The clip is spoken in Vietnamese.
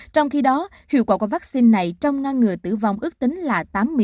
trong khi đó hiệu quả của vaccine này trong ngăn ngừa tử vong ước tính là tám mươi năm